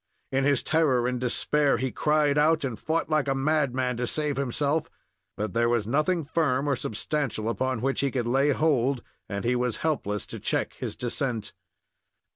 In his terror and despair he cried out, and fought like a madman to save himself; but there was nothing firm or substantial upon which he could lay hold, and he was helpless to check his descent.